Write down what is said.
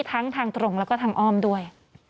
ทั้งทางตรงแล้วก็ทางอ้อมด้วย